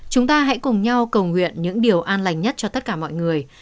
chúng ta hãy cùng nhau cầu nguyện những điều an lành nhất cho tất cả mọi người